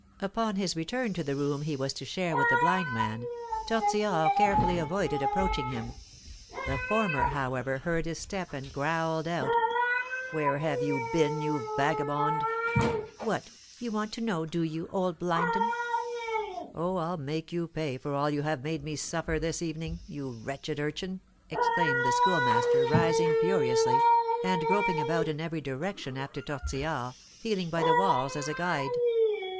Upon his return to the room he was to share with the blind man, Tortillard carefully avoided approaching him. The former, however, heard his step, and growled out: "Where have you been, you vagabond?" "What! you want to know, do you, old blind 'un?" "Oh, I'll make you pay for all you have made me suffer this evening, you wretched urchin!" exclaimed the Schoolmaster, rising furiously, and groping about in every direction after Tortillard, feeling by the walls as a guide.